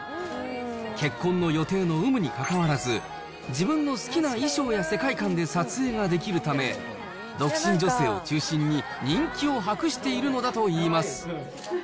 結婚の予定の有無にかかわらず、自分の好きな衣装や世界観で撮影ができるため、独身女性を中心に、人気を博しているのだといいます。